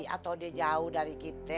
atau dia jauh dari kita